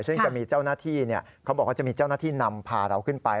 จะมีเจ้าหน้าที่นำพาเราขึ้นไป